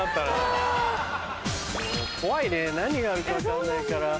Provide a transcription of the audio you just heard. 怖いね何があるか分かんないから。